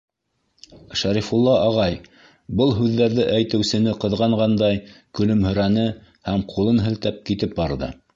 Шәрифулла ағай, был һүҙҙәрҙе әйтеүсене ҡыҙғанғандай, көлөмһөрәне һәм, ҡулын һелтәп, китеп барҙы.